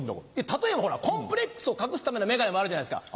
例えばほらコンプレックスを隠すための眼鏡もあるじゃないですか。